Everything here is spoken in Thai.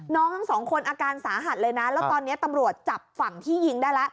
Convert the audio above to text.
ทั้งสองคนอาการสาหัสเลยนะแล้วตอนนี้ตำรวจจับฝั่งที่ยิงได้แล้ว